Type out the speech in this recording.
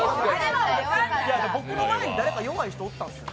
僕の前に誰か弱い人おったんですよ。